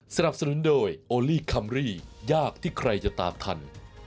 สนับสนุนโดยโอลี่คัมรี่ยากที่ใครจะตามทัน